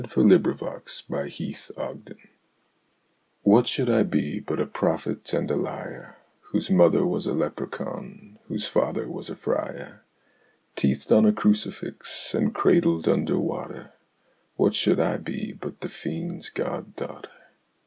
The Singing Woman from the Wood's Edge What should I be but a prophet and a liar, Whose mother was a leprechaun, whose father was a friar? Teethed on a crucifix and cradled under water, What should I be but the fiend's god daughter?